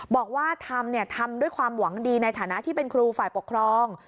บอกว่าทำทำด้วยความหวังดีในฐานะที่เป็นครูฝ่ายปกครอง